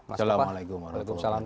assalamualaikum warahmatullahi wabarakatuh